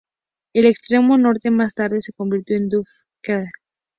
El extremo norte más tarde se convirtió en Duffy Square.